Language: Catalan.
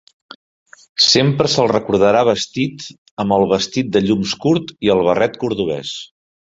Sempre se'l recordarà vestit amb el vestit de llums curt i el barret cordovès.